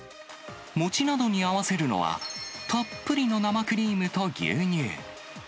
餅などに合わせるのは、たっぷりの生クリームと牛乳。